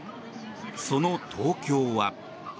その東京は。